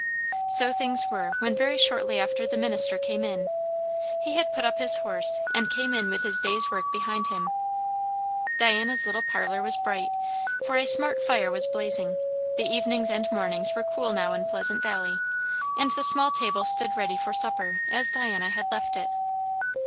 So things were, when very shortly after the minister came in. He had put up his horse, and came in with his day's work behind him. Diana's little parlour was bright, for a smart fire was blazing; the evenings and mornings were cool now in Pleasant Valley; and the small table stood ready for supper, as Diana had left it.